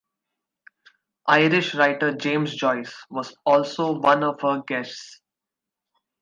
Irish writer James Joyce was also one of her guests.